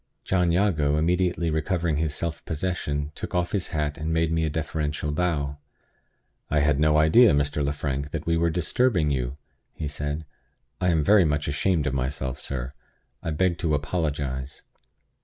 John Jago, immediately recovering his self possession, took off his hat, and made me a deferential bow. "I had no idea, Mr. Lefrank, that we were disturbing you," he said. "I am very much ashamed of myself, sir. I beg to apologize."